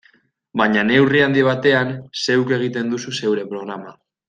Baina neurri handi batean, zeuk egiten duzu zeure programa.